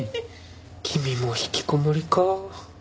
君も引きこもりかあ。